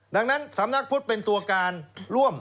ดังนั้นสำนักพุทธเป็นตัวการร่วม